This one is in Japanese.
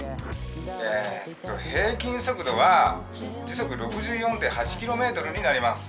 えっと平均速度は時速６４．８ｋｍになります。